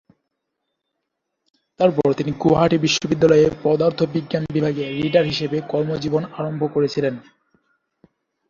তারপর তিনি গুয়াহাটি বিশ্ববিদ্যালয়ে পদার্থ বিজ্ঞান বিভাগে রিডার হিসেবে কর্মজীবন আরম্ভ করেছিলেন।